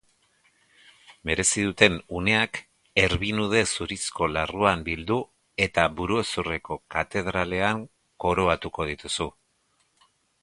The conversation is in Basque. Merezi duten uneak erbinude zurizko larruan bildu, eta burezurreko katedralean koroatuko dituzu.